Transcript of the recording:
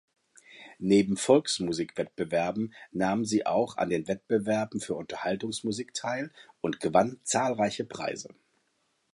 Neben Volksmusikwettbewerben nahm sie auch an Wettbewerben für Unterhaltungsmusik teil und gewann zahlreiche Preise.